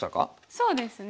そうですね。